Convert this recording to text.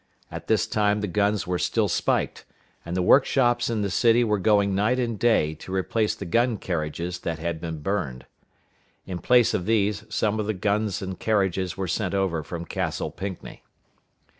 At this time the guns were still spiked, and the workshops in the city were going night and day to replace the gun carriages that had been burned. In place of these, some of the guns and carriages were sent over from Castle Pinckney.